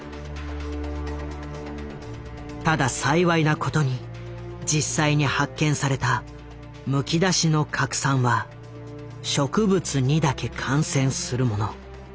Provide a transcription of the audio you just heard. ただ幸いなことに実際に発見された「むきだしの核酸」は植物にだけ感染するもの。